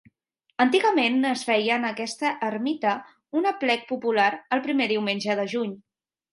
Antigament es feia en aquesta ermita un aplec popular el primer diumenge de juny.